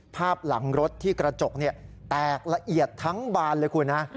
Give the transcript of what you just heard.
ภาพหลังรถที่กระจกแตกละเอียดทั้งบานเลยคุณฮะ